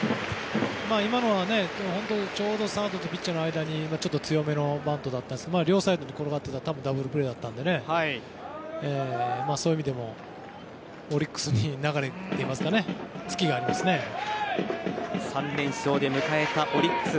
今のはちょうどサードとピッチャーの間にちょっと強めのバントでしたが両サイドに転がっていたら多分ダブルプレーだったのでそういう意味でもオリックスに流れといいますか３連勝で迎えたオリックス